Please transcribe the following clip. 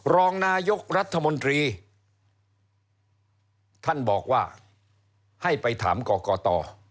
รองนายกรัฐมนตรีท่านบอกว่าให้ไปถามกรกต